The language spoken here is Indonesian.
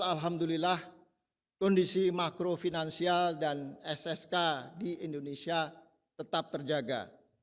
alhamdulillah kondisi makro finansial dan ssk di indonesia tetap terjaga